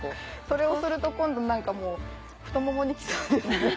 それをすると今度もう太ももにきそうですね。